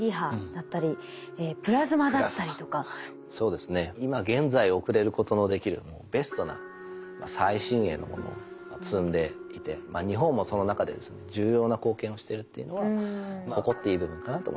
そうですね今現在送れることのできるベストな最新鋭のものを積んでいて日本もその中で重要な貢献をしてるっていうのは誇っていい部分かなと思いますね。